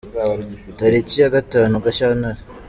Tariki ya gatanu Gashyantare